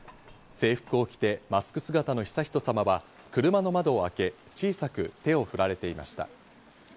制服を着てマスク姿の悠仁さまは車の窓を開け、小さく手を振られていました。